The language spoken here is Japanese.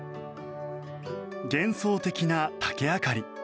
幻想的な竹あかり。